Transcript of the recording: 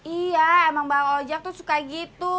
iya emang bang ojek tuh suka gitu